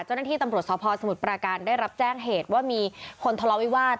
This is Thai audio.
เจ้าหน้าที่ตำรวจสพสมุทรปราการได้รับแจ้งเหตุว่ามีคนทะเลาวิวาส